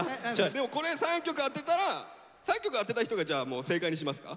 でもこれ３曲当てたら３曲当てた人がじゃあもう正解にしますか？